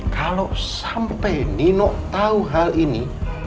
kalau sampai nino tahu hal ini